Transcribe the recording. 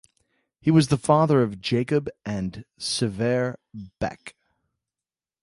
He was the father of Jacob and Sivert Beck.